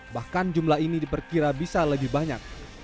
bahkan jumlah ini diperkira bisa lebih banyak